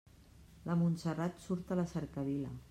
La Montserrat surt a la cercavila.